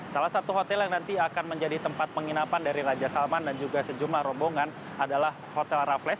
salah satu hotel yang nanti akan menjadi tempat penginapan dari raja salman dan juga sejumlah rombongan adalah hotel rafles